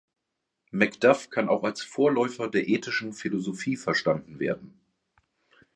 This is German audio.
Macduff kann auch als ein Vorläufer der ethischen Philosophie verstanden werden.